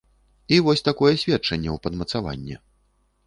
І вось такое сведчанне ў падмацаванне.